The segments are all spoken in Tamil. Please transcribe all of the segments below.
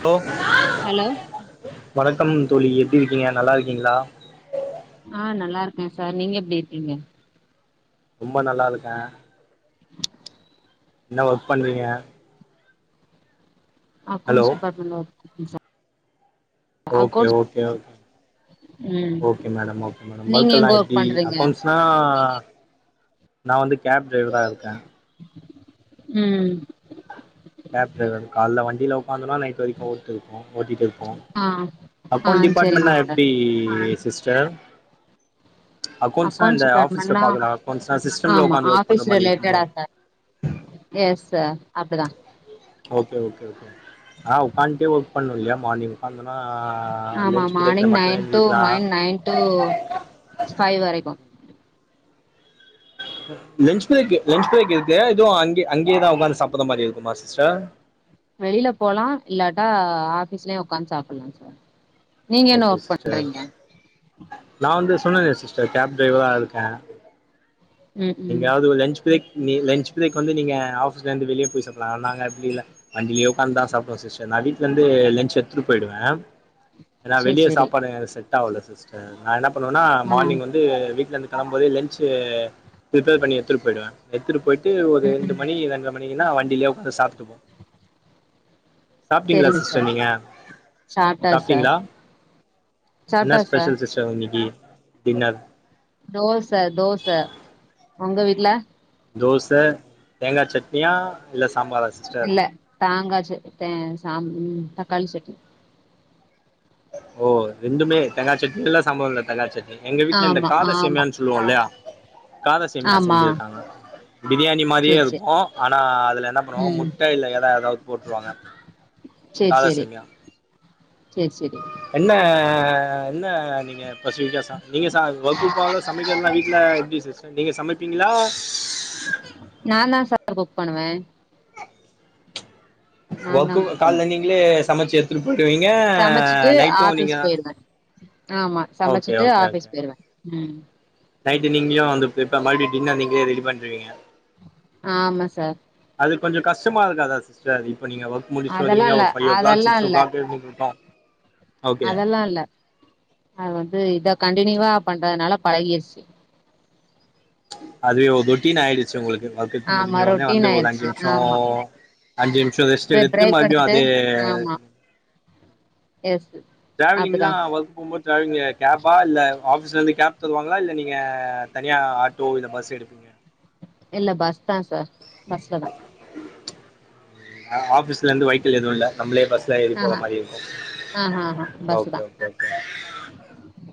ஹலோ ஹலோ வணக்கம் தோழி எப்டி இருக்கீங்க நல்லா இருக்க கிங்களா ஆஹ் நல்லா இருக்கேன் சார் நீங்க எப்டி இருக்கீங்க ரொம்ப நல்லா இருக்கேன் என்ன ஒர்க் பண்ணறீங்க அக்கவுன்ஸ் டிபார்ட்மெண்ட் ல ஒ sir okay accounts okay okay ம் ஓகே மேடம் ஓகே மேடம் நீங்க எங்க ஒர்க்கெல்லாம் ஒர்க் எப்டி பண்றீங்க அக்கவுண்ட்ஸ்னா நா வந்து கேப் டெய்வரா இருக்கேன் உம் கேப் டிரைவர் கால் ல வண்டியில நைட் வரைக்கும் ஓட் இருப்போம் ஓட்டிட்டு இருப்போம் ஆ ஆ அக்கௌண்ட் செரிங்க டிபார்ட்மெண்ட்னா சார் எப்டி சிஸ்டர் அக்கௌண்ட்ஸ்னா அக்கௌண்ட்ஸ் இந்த ஆபீஸ்ல டிபார்ட்மெண்ட்னா பாக்கர அக்கௌண்ட்ஸ் சிஸ்டம்ல ஆமா ஒக்காந்து ஒர்க் பண்ற ஆபீஸ் மாரி ரிலேட்டடா இருக்கும் சார் எஸ் சார் அப்டிதான் ஓகே ஓகே ஓகே ஆனா உக்கான்டே ஒர்க் பண்ணும் இல்லையா மார்னிங் உக்காந்து ஆமா மார்னிங் நைன் டு எழுந்திரிக்கலா நைன் டு ஃபைவ் வரைக்கும் லன்ச் பிரேக் லன்ச் பிரேக் இருக்கு எதுவும் அங்க அங்கேயேதான் உக்காந்து சாப்ற மாதிரி இருக்குமா சிஸ்டர் வெளியில போலாம் இல்லாட்டா ஆபீஸ்லயும் உக்காந்து சாப்புலாம் சார் நீங்க என்ன ஓகே ஒர்க் சிஸ்டர் பண்றீங்க நான் வந்து சொன்னனே சிஸ்டர் கேப் டிரைவரா இருக்கேன் ம் ம் நீங்கயாவது லஞ்ச பிரேக் நீ லன்ச் பிரேக் வந்து நீங்க ஆஃபீஸ்லேந்து வெளிய போய் சாப்லாம் நாங்க அப்டி இல்ல வண்டிலே உட்காந்துன் சாப்டுவோம் சிஸ்டர் நான் வீட்டுலேந்து லன்ச் எடுத்ட்டு போயிடுவேன் ஏனா சேரி வெளியே சேரி சாப்பாடுங் சரி செட் ஆவல சிஸ்டர் ஒன்னா ஆ மார்னிங் வந்து வீட்டல இருந்து போம் போது லன்சு பிரிபேர் பண்ணி எடுத்துட்டு போயிடுவேன் எடுத்து ட்டு ஒரு ம் ரெண்டு ம் மணி ரெண்டரை ம ணிக்குன்னா வண்டியிலேயே உட்காந்து சாப்பிட்டு போம் சாப்பிட்டீங்களா செரிங்க சிஸ்டர் சார் நீங்க சாப்ட்டாச்சு சார் சாப்பிட்டீங்களா என்ன சாப்ட்டாச்சா ஸ்பேஷல் சிஸ்டர் எது டின்னர் தோசை தோசை உங்க வீட்டுல தோசை தேங்காய் சட்னியா இல்ல சாம்பாரா சிஸ்டர் இல்ல தாங்காச்சு தேங் சாம்பு தக்காளி சட்னி ஓ ரெண்டுமே தேங்காச்சட்னி இல்ல சாம்பார் உள்ள தங்காளிச்சட் னி எங்க வீட்டுல இந்த ஆமா காத ஆமா சேமியான்னு சொல்வோம் இல்லையா காதசமியா ஆமா செஞ்சிருக்காங்க பிரியாணி மாதிரியே சேரி சேரி இருக்கும் ஆனா அதுல என்ன பண்ணுவாங்க ம் முட்டை இல்ல ஏறா ஏதாவது போட்டுருவாங்க சேரி சேரி காதசமியா சேரி சேரி என்ன அஹ்ஹ் என்ன நீங்க பஸ்ட் வீக்கா சார் நீங்க சார் ஒர்க் போகாலல சமைக்கிறதுலாம் வீட்டல எப்டி சிஸ்டர் நீங்க சமைப்பபிங்களா நான் தான் சார் புக் பண்ணுவேன் நா தா ஒர்க் குக் பண்ணுவே கால்ல நீங்களே அமைச்சர் திரு செரிங்க சமச்சிட்டு நைட்டும் நீங்க ஆஃபீஸ் தான் போயிருவே ஆமா சமைச்சிட்டு ஆஃபீஸ் போயிருவேன் உம் நைட் நீங்களும் வந்து இப்ப மறுபடியும் டின்னர் நீங்களே ரெடி பண்ணிருவீங்க ஆமா சார் அது கொஞ்சம் கஷ்டமா இருக்காதா சிஸ்டர் இப்ப நீங்க ஒர்க் முடிச்சி அதெல்லா வருவிங்க இல்ல ஒரு five o'clock six o'clock இரு இருக்கும் அதெல்லாம் இல்ல அது வந்து இதான் கண்டனியூவா பண்றதுனால பழகிடுச்சு அதுவே ரொட்டீனு ஆயிடுச்சு உங்களுக்கு ஒர்க ஆமா முடிஞ்ச உடனே வந்து ரொட்டீன் ஒரு அஞ்சு ஆயிருச்சு நிமிஷம் ஆமா அஞ்சு நிமிஷம் ரெஸ்ட் எடுத்துட்டு மறுபடியும் அதே ஆமா எஸ் அதுதா டிராவலிங்லாம் ஒர்க் போகும்போது டிராவலிங் கேபா இல்ல ஆஃபீஸ்லேருந்து கேப் தருவாங்களா இல்லை நீங்கள் தனியா ஆட்டோ இல்லை பஸ் எடுப்பிங்க இல்ல பஸ் தான் சார் பஸ்ல தான் ஆபிஸ்ல இருந்து வெக்கல் எதுவும் இல்ல நம்லே பஸ்ல எறி போற ஆஹா மாரி இருக்கும் ஆஹா ஆஹா பஸ் தா ஓகே ஓகே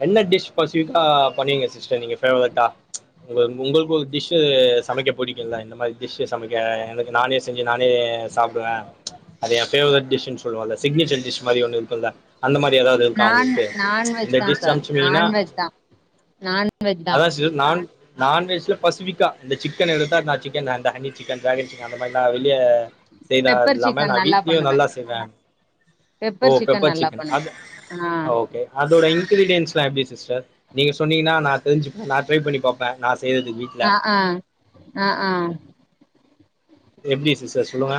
என்ன டிஸ் ரொம்ப சிவிட்டா பண்ணிங்க சிஸ்டர் பேவரட்டா உ உங்களுக்கு ஒரு டிஷ்வு சமைக்க பிடிக்கும்ல இந்த மாரி டிஷ் சமைக்க எனக்கு நானே செஞ்சு நானே சாப்பிடுவேன் அது என் பேவரட் டிஷ் சொல்லுவ சிக்னேச்சர் டிஷ் மாரி ஒண்ண இருக்கும்ல்ல அந்த மாரி எதாவது இருக்கா நான் உங்களுக்கு நான்வெஜ் இந்த தா டிஸ்ன்னா சார் அமிச்சின நான்வெஜ் தா நான்வெஜ் தா ஆதான் சிஸ்டர் நான் நான்வெஜ்ல பெசிபிக்கா இந்த சிக்கன் எடுத்தா நான் சிக்கன் இந்தஹனி சிக்கன் டிராகன் சிக்கன் அந்த மாதிரி நான் வெளிய செய்த பெப்பர் இல்லாம சிக்கன் நான் வீட்ல பண்ணுவே நல்லா செய்வேன் ஓ பெப்பர் சிக்கன் ஆ ஓகே அதோட இன்கிரீடியஸ் எல்லாம் எப்படி சிஸ்டர் நீங்க சொன்ணிங்கன்னா நான் தெரிஞ்சுப்பேன் நான் ட்ரை பண்ணி பாப்பேன் நான் ஆஹ் ஆஹ் ஆஹ் ஆஹ் எப்டி சிஸ்டர் சொல்லுங்க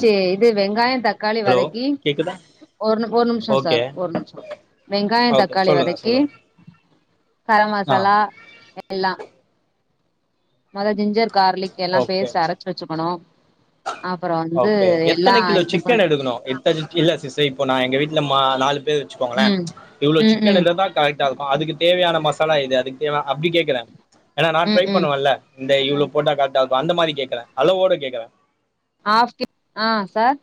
சேரி இது வெங்காயம் தக்காளி ஹலோ வதக்கி கேக்குதா ஒரு ஒரு நிமிஷம் ஓகே சார் ஒரு நிமிஷம் வெங்காயம் ஓகே தக்காளி சொல்லுங்க வதக்கி சொல்லுங்க கரம் ஆ மசாலா எல்லாம் மேத ஜிஞ்சர் கார்லிக்க எல்லாம் ஓகே பேட் அரைச்சு வச்சுக்கணும் ஓகே எத்தனை கிலோ இது சிக்கன் பண் எடுக்கணும் இல்ல சிசி இப்போ நான் எங்க வீட்டு இல்லமா நாலு வச்சுப்போங்களேன் ம். இவ்ளோ சிக்கன் ம்ஹ்ம். இ தான் கரெக்ட் இருக்கும் அதுக்கு தேவையான மசாலா இது அதுக்கு தேவைய அப்படி கேக்குறேன் ஏனா நான் ட்ரை ம்ஹ்ம். பண்ணுவன்ல்ல இந்த இவ்வளவு போட்ட காடெட்டா இருக்கும் அந்த மாரி கேக்குறன் அளவோட கேக்குறேன் ஆ ஆஹ சார்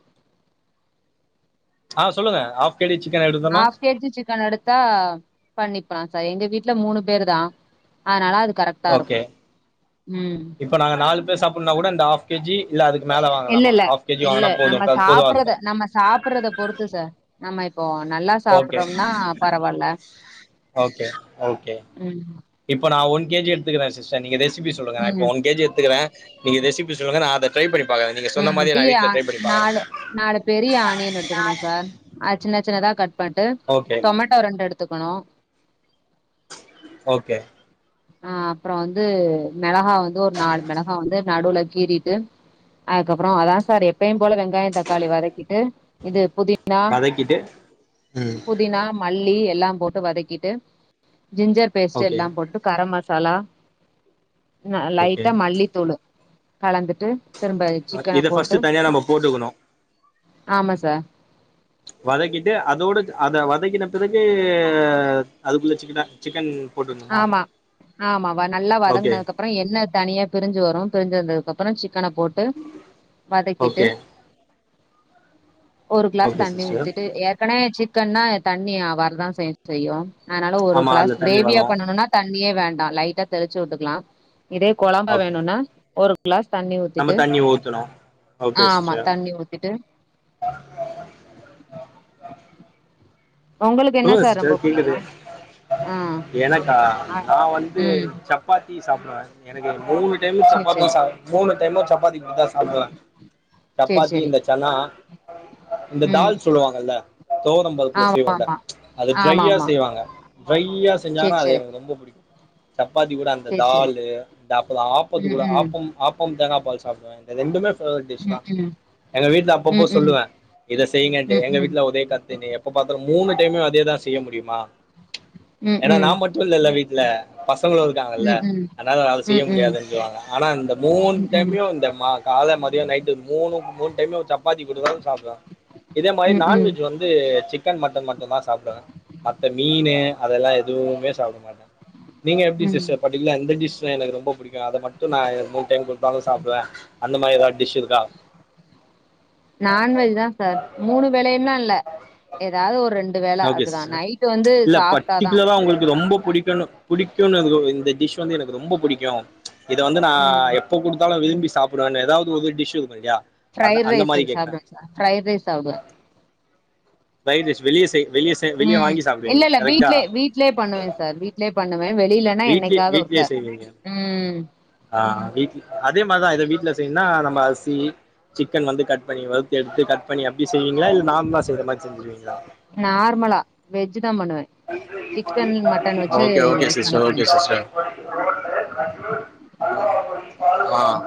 ஆஹ் சொல்லுங்க ஆப் ஹாஃ கேஜி சிக்கன் எடுத்தா பண்ணிப்பலாம் சார் எங்க வீட்டு மூணு பேர் தான் அதனால அது கரெக்ட்டா ஓகே இருக்கும். ம். இப்ப நாங்க நாலு சாப்பிடனா கூட இந்த ஆஃப் கேஜி இல்ல அதுக்கு மேல இல்ல வாங்கலாமா இல்ல ஹாஃப் கேஜி இல்ல வாங்குனா நம்ம போதும் அது போதுவா இருக்கும் சாப்பறத நம்ம சாப்பிடுறத பொறுத்து சார் நாம்ப ஓகே ஓகே ஓகே ம். இப்ப நான் உன் கேஜி எடுத்துக்குறேன் சேரி நீ ரெசிபி சொல்லங்க நான் இப்ப ம். ஒன் கேஜி எத்துக்கிறேன் ரெசிபி சொல்லுங்க ந அத ட்ரை பண்ணி பாக்குறேன் நீங்க சொன்ன உம் மாரியே நான் பெரிய வீட்ல அணி ட்ரை பண்ணி பாக்குறேன் நாலு நாலு பெரிய ஆணியன் எடுத்துக்கணும் சார் அத சின்ன சின்னதா கட் பட்டு ஓகே டொமேட்டோ ரெண்டு எடுத்துக் க்காணும் ஓகே அஹ் அப்புறம் வந்து மெளகா வந்து ஒரு நாலு மெளகா வந்து நடுவுல கீறிட்டு அதுக்கப்பறம் அதான் சார் எப்பையும் போல வெங்காயம் தக்காளி வதக்கிட்டு இது புதி னா வதக்கிட்டு ம் புதினா மல்லி எல்லாம் போட்டு வதக்கிட்டு ஜிஞ்சர் பேஸ்ட் ஓகே எல்லாம் போட்டு மட்ட மசாலா ந ஓகே லைட்டா மல்லித்தூள் கலந்துட்டு திரும்ப சிக்கன இத போட்டு ஃபர்ஸ்ட்டு தனியா நம்ம போட்டுக்கணும் ஆமா சார் வதக்கிட்டு அதோட அத வதக்கின பிறகு அதுக்குள்ள சிக்கன சிக்கன் போட்டுக்கணுமா ஆமா ஆமா வ நல்லா ஓகே வதங்குனதுக்கு அப்புறம் என்ன தனியா பிரிஞ்சு வரும் பிரிஞ்சு வந்ததுக்கு அப்புறம் சிக் இக்கன போட்டு வதக்கிட்டு ஓகே ஒரு கிளாஸ் ஓகே தண்ணி சிஸ்டர் ஊத்திட்டு ஏற்கனே சிக் கன்னா தண்ணி அவறுதான் செய் செய்யும் அதனால ஒரு ஆமா கிளாஸ் அதுல தண்ணி வரு கிரேவியாப் தண்ணியே வேண்டா லைட்டா தெளிச்சு விட்டுக்கலா இதே குழம்பா ஓகே வேணுன்னா ஒரு கிளாஸ் தண்ணி நம்ம ஊத்திட்டு தண்ணி ஊத்தணு ஓகே ஆமா சிஸ்டர் தண்ணி ஊத்திட்டு உங்களுக்கு என்ன சொல்லுங்க சார் ரொம்ப சிஸ்டர் புடிக்கு கேக்குது ஆ எனக்கா ஆ நா வந்து ம் சப்பாத்தி சாப்பிடுவே எனக்கு மூணு டைம் சேரி சப்பாத சேரி சாப் மு மூணு டைமு சப்பாத்தி தா சாப்டுவ சேரி சப்பாத்தி சேரி இந்த சன்னா இந்த ம் தால் சொல்லுவாங்கல்ல துவரம் பருப்பு செய்வோ ஆமா இல்ல ஆமா அத ஆமா ட்ரையா ஆமா செய்வாங்க ப்ரை சேரி செஞ்சாங்கான அது சேரி எனக்கு ரொம்ப பிடிக்கும் சப்பாத்தி கூட அந்த சேரி சேரி தாலு இந்த அப்ப ஆப்பத்து ம் கூட ம் ஆப்பம் ஆப்பம் தேங்காப்பால் சாப்பிடுவேன் ரெண்டுமே வரட் டிஷ் தான் ம் எங்க வீட்டுல அப்பப்போ ம் ம் சொல்லுவேன் இதை செய்யுங்கன்ட்டு ம் எங்க ம் வீட்டுல உதய கத்துினி இப்ப பாத்தாலும் மூணு இப்பவுமே அதேதான் செய்ய முடியுமா ம் ம் ஏன்னா நா மட்டும் இல்லல்ல வீட் இல்லா பசங்களும் இருக்காங்கல்ல ம் ம் ம் அதனால செய்ய ம் ம் முடியாதுு சொல்லுவாங்க ஆனா இந்த மூணு ம் டைமும் இந்த காலை மதியும் நைட்டு மூணு மூ டைம்ல ஒரு சப்பாத்தி குடுக்குறோம் சாப்பிடான் இதே மாதிரி ம் நான்வெஜ் வந்து சிக் சிக்கன் மட்டன் மட் எல்லா சாப்பிடுவேங்க மத்த மீன் அதெல்லாம் எதுவுமே சாப்பிட மாட்ட நீங்க எப்டி ம் ம் சிஸ்டர் பர்ட்டிக்குலரா எந்த டிஷ் நா எனக்கு ரொம்ப பிடிக்கும் [unintelligible] அதை மட்டும் நான் மூணு டைம் குடுத்தாலும் சாப்பிடுவேன் அந்த மாதிரி ஏதாவது டிஷ் இருக்கா நான்வெஜ் தான் சார். [unintelligible] வேலை அப்படிதான் சிஸ்டர் நைட் வந்து இல்ல சாஃடா தான் பர்ட்டிகுலரா உங்களுக்கு ரொம்ப பிடிக்கும்னு பிடிக்கும் இந்த டிஷ் வந்து எனக்கு ரொம்ப பிடிக்கும் இதை வந்து ம். நான் எப்ப கொடுத்தாலும் விரும்பி சாப்பிடுவேன்னு அதாவதொரு டிஷ் அத ஃப்ரைட் அந்த ரைஸ் மாரி கேக்குறே சாப்டுவேன் சார் ஃப்ரைட் ரைஸ் சாப்டுவேன் ஆ வைதேஷ் வெளிய செய் வெளிய செய் வெளிய உம் வாங்கி இல்ல சாப்பிடுவீங்க இல்ல கரெக்டா வீட்லயே வீட்லயே பண்ணுவேன் சார் வீட்லயே பண்ண வெளிலன்னா என்னைக்காது ஒருக்கா உம் ஆஹ் வீட்ல அதே மாதிரிதான் இத வீட்டுல செய்யுன்னா நம்ம அரிசி சிக்கன் வந்து கட் பண்ணி வறுத்து எடுத்து கட் பண்ணி அப்படியே செய்வீங்களா இல்ல நார்மலா செய்யற மாதிரி செஞ்சிருவீங்களா நார்மலா வெஜ் தான் பண்ணுவேன். சிக்கன், மட்டன் வச்சு ஓகே ஓகே பண்ண சிஸ்டர் தெரியாது. ஆஹ்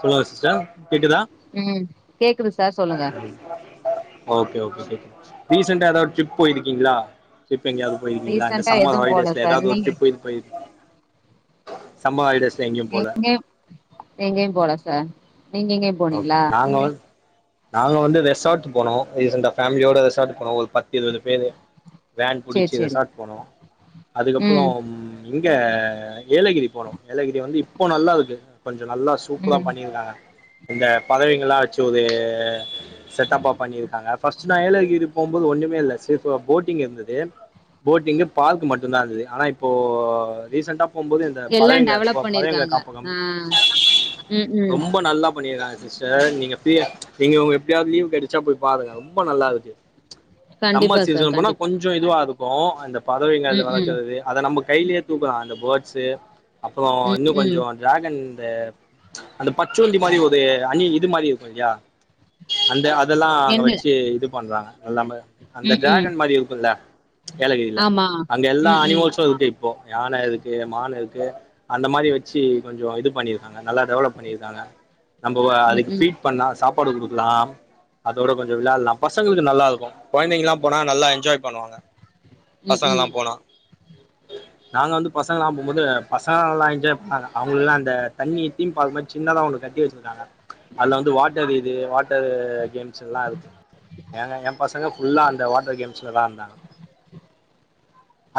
சொல்லுங்க சிஸ்டர் கேட்குதா ம். கேக்குது சார் சொல்லுங்க. ஓகே ஓகே கே ரீசன்டா ஏதாவது ட்ரிப் போயிருக்கீங்களா ட்ரிப் எங்கேயாவது போயிருக்கீங்களா இந்த ரீசென்டா சம்மர் எதுவும் போல ஹாலிடேஸ்ல சார். ஏதாவது ஒரு நீங்க ட்ரிப் போயிருக்கங்களா போல எங்க எங்கேயும் போல சார் நீங்க எங்கயும் ஓகே போனீங்களா நாங்க வந்து நாங்க வந்து ரெசார்ட் போனோம் ரீசன்டா பேமிலியோட ரெசார்ட் போனோம் ஒரு பத்து இருவது பேரு வந்து வேன் சேரி புடிச்சு இத சேரி. ரெசார்ட் போனோம் அதுக்கப்புறம் ம். இங் ங்க ஏலகிரி போனோம் ஏலகிரி வந்து இப்போ நல்லா இருக்கு கொஞ்சம் நல்லா சூப்புர ம். பண்ணியிருக்காங்க இந்த பதவிங்கலாம் வச்சு ஒது செட்டப்பா பண்ணிருக்காங்க பர்ஸ்ட் ஏலகிரி போம் போது ஒண்ணமே இல்ல சே வ போட்டிங் இருந்தது போட்டிங் பார்க்மட்டும் தான் இருந்தது ஆனா இப்போ ரீசன்டா போகும்போது இந்த எல்லாம் பழையங்க டெவலப் பழையங்க பண்ணிருக்காங்க. காப்பகம் ஆ. ம்ஹ்ம். ரொம்ப நல்லா அதேதா சிஸ்டர் நீங்க ஃப்ரீய நீங்க எப்படியாவது லீவ் கிடச்சா போய் பாருங்க ரொம்ப நல்லா இருக்கு சம்மா கண்டிப்பா சார். சீசனு போனா கண்டிப்பா. கொஞ்சம் இதுவா இருக்கு இப்ப அந்த பதவிங்கள்ள ம்ஹ்ம். வளர்க்கிறது அத நமக் கையிலேயே தூக்குலாம் அந்த பார்ட்ஸ் அப்புறம் இன்னும் ம்ஹ்ம். கொஞ்சம் ட்ராகன் அந்த பச்சோந்தி மாதிரி ஒரு ஒது அணி இது மாரி இருக்கு இல்லையா அந்த அது அதெல்லா அங்க என்ன வெச்சி இது பண்றாங்க எல்லாமே அந்த ம்ஹ்ம். டிராகன் மாரி இருக்குல்ல ஏலகிரியில ஆமா. அங்க எல்லா ம்ஹ்ம். அனிமல்சு இருக்கு இப்போ யான இருக்கு மான் இருக்கு அந்த மாரி வெச்சி கொஞ்ஜோ இது பண்ணி பண்ணிருக்காங்க நல்லா டெவலப் பண்ணிருக்காங்க நம்ப அதுக்கு ம்ஹ்ம். பீட் பண்ணா சாப் சாப்பாடு குடுக்கலா அதோட கொஞ்ஜோ விளாட்லா பசங்களுக்கு நல்லா இருக்கு கொழந்தைங்கெல்லா போனா நல்லா என்ஜாய் பண்ணுவாங்க பசங்களா ம்ஹ்ம். போனா நாங்க வந்து பசங்களா போம்போது பசங்க எல்லா என்ஜாய் பண்ணாங்க அவங்களுக்கெல்லா அந்த தண்ணி தீம் பார்க் மாரி சின்னதா ஒன்னு கட்டி வெச்சிருக் அதுல வந்து வாட்டர் இது வாட்டர் கேம்ஸ் எல்லா இருக்கு ஏங்க என் பசங்க ஃபுல்லா அந்த வாட்டர் கேம்ஸ்ல தா இருந்தாங்க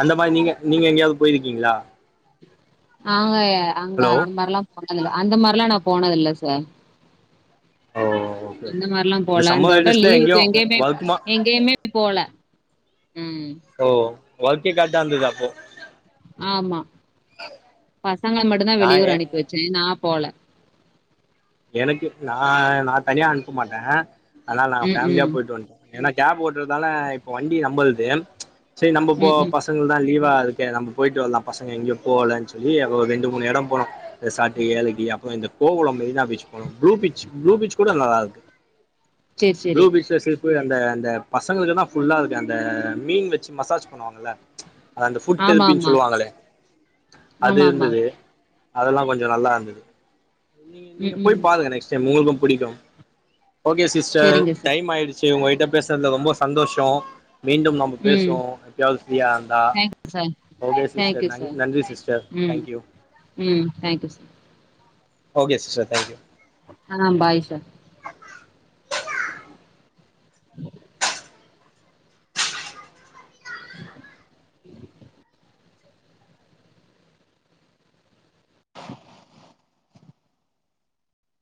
அந்த மாரி நீங்க நீங்க எங்கயாவது போயிருக்கீங்களா ஆங்க அங்க ஹலோ அந்த மாரிலா போனதில அந்த மாரிலா நா போனதில்ல சார் ஓ ஓகே அந்த ஓகே மாரில்லா இந்த போல சம்மர் இந்தோட்ட ஹாலிடேஸ்ல எங்கேயு லீவுக்கு எங்கயுமே ஒர்க்குமா எங்கயுமே போல ம். ஓ ஒர்க்கே கரெட்டா இருந்ததா அப்போ ஆமா பசங்கள மட்டு தா நா வெளியூர் எ அனுப்பி வச்சே நா போல எனக்கு நா நா தனியா அனுப்ப மாட்டே அதனால நாங்க ஃபேமிலியா ம்ஹ்ம். போயிட்டு வன்ட்டோ ஏனா கேப் ஓட்டுறதால இப்போ வண்டி நம்பல்து சேரி நம்ம போ ம்ஹ்ம். பசங்கள தா லீவா இருக்கே நம்ம போயிட்டு வர்லா பசங்க எங்கயு போலன் சொல்லி ஒரு ரெண்டு மூணு எடோ போனோ இந்த சாட்டி ஏலகிரி அப்றோ இந்த Kovalam Marina beach blue beach blue beach கூட நல்லா இருக்கு சரி, ப்ளு சரி. பீச்ல அந்த அந்த பசங்களுக்கு தா ஃபுல்லா இருக்கு அந்த மீன் வெச்சி மசாஜ் பண்ணுவாங்கல அது அந்த ஃபுட் தெருப்பின்னு ஆமாமா. சொல்லுவாங்களே அது ஆமாமா. இருந்தது அதெல்லா கொஞ்ஜோ நல்லா இருந்தது நீங்க நீங்க ம்ஹ்ம். போய் பாருங்க நெக்ஸ்ட் டைம் உங்களுக்கு புடிக்கு ஓகே சிஸ்டர் சரிங்க சார். டைம் ஆயிடுச்சி உங்க கிட்ட பேசன்து ரொம்ப சந்தோஷோ மீண்டும் நம்ப ம். பேசுவோ எப்பயாது ஃப்ரீயா இருந்தா thank you sir. Okay thank sister you நன் சார். நன்றி சிஸ்டர் ம் தேங்க்யூ ம் thank you okay sister thank you ஆ பாய் சார்